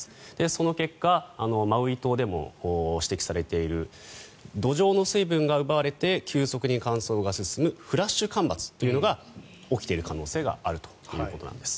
その結果マウイ島でも指摘されている土壌の水分が奪われ急速に乾燥が進むフラッシュ干ばつというのが起きている可能性があるということなんです。